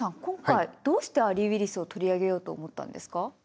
今回どうしてアリー・ウィリスを取り上げようと思ったんですか？